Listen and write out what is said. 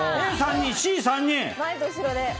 Ａ、３人でＣ、３人。